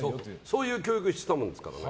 そういう教育をしてたもんですから。